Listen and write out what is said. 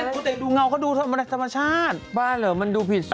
ได้แต่ดูเงาก็ดูธรรมชาติบ้าเหรอมันดูผิดส่วนหมดเลย